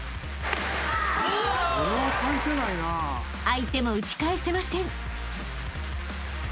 ［相手も打ち返せません］